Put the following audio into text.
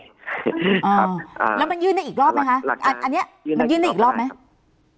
แล้วมันยื่นได้อีกรอบไหมคะอันนี้มันยื่นได้อีกรอบไหม